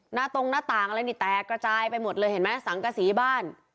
ตรงหน้าต่างอะไรนี่แตกกระจายไปหมดเลยเห็นไหมสังกษีบ้าน